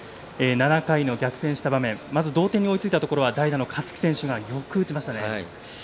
７回の逆転した場面同点に追いついたところは代打の勝木選手がよく打ちましたね。